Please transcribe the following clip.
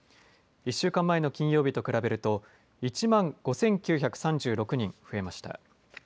１週間前の金曜日と比べると、１万５９３６人増えました。